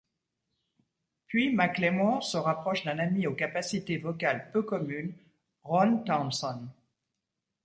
Puis McLemore se rapproche d'un ami aux capacités vocales peu communes, Ron Townson.